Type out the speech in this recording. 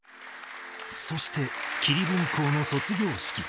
そして桐分校の卒業式。